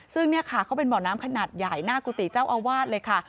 ซึ่งเนี่ยค่ะเขาเป็นบ่อน้ำขนาดใหญ่หน้ากุฏิเจ้าอาวาสเลยค่ะ